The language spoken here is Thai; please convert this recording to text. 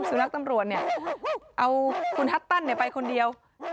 สุนัขตำรวจเนี่ยเอาคุณฮัตตันไปคนเดียว